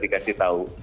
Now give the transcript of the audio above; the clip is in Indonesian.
itu sudah dikasih tau